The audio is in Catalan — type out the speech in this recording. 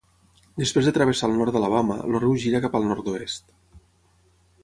Després de travessar el nord d'Alabama, el riu gira cap al nord-oest.